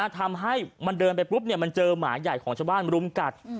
ทำให้มันเดินไปปุ๊บมันเจอหมาใหญ่ของชาวบ้านรุมกัด